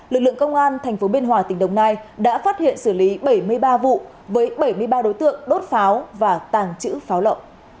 lực lượng công an tp biên hòa tỉnh đồng nai đã phát hiện xử lý bảy mươi ba vụ với bảy mươi ba đối tượng đốt pháo và tàng trữ pháo lậu